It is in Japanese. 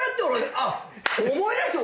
あっ思い出した！